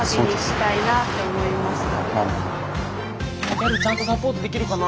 ギャルちゃんとサポートできるかな。